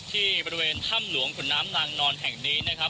ที่บริเวณถ้ำหลวงขุนน้ำนางนอนแห่งนี้นะครับ